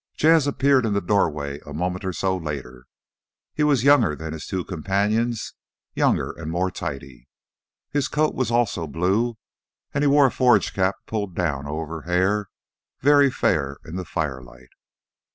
Jas' appeared in the doorway a moment or so later. He was younger than his two companions, younger and more tidy. His coat was also blue, and he wore a forage cap pulled down over hair very fair in the firelight.